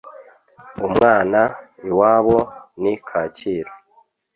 umwana iwabo ni kacyiru